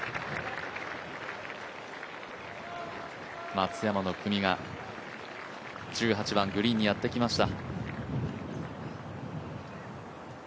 松山の組が１８番グリーンにやってきました。